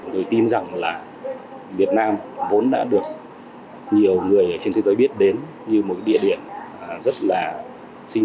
tôi tin rằng là việt nam vốn đã được nhiều người trên thế giới biết đến như một địa điểm rất là nhiều